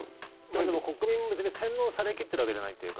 でも、国民も別に洗脳されきってるわけじゃないというか。